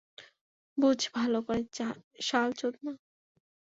বুঝ ভালো করে, শাল চোদনা?